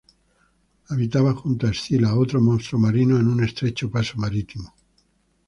Habitaba junto a Escila, otro monstruo marino, en un estrecho paso marítimo.